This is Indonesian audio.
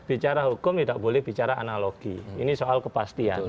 bicara hukum tidak boleh bicara analogi ini soal kepastian